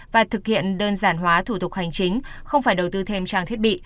và thực hiện đơn giản hóa thủ tục hành chính không phải đầu tư thêm trang thiết bị